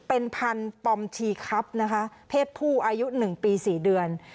เป็นพันธุ์ปอมชีครับนะคะเพศผู้อายุ๑ปี๔เดือน